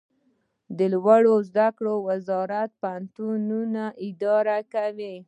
لوړو زده کړو وزارت پوهنتونونه اداره کوي